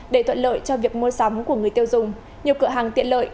để thuận lợi cho việc mua sắm của người tiêu dùng nhiều cửa hàng tiện lợi